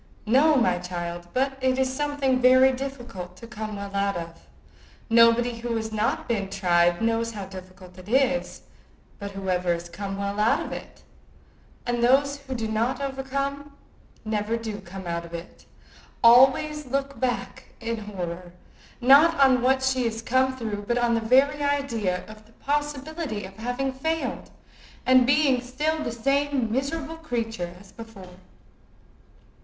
"No, my child; but it is something very difficult to come well out of. Nobody who has not been tried knows how difficult it is; but whoever has come well out of it, and those who do not overcome never do come out of it, always looks back with horror, not on what she has come through, but on the very idea of the possibility of having failed, and being still the same miserable creature as before."